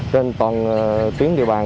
trên toàn tuyến địa bàn